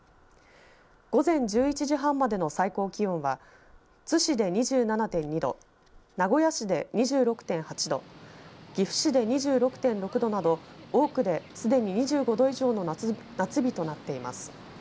午前１１時半までの最高気温は津市で２７．２度名古屋市で２６．８度岐阜市で２６．６度など多くですでに２５度以上の夏日となっています。